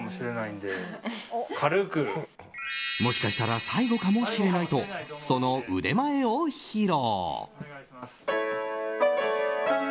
もしかしたら最後かもしれないとその腕前を披露。